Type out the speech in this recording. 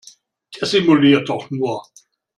Der simuliert doch nur!